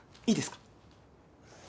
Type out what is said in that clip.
いいですか？